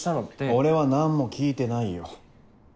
俺は何も聞いてないよ。